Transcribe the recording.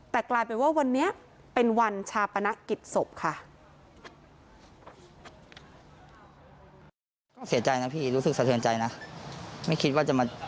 แต่กลายเป็นว่าวันนี้เป็นวันชาปนกิจศพค่ะ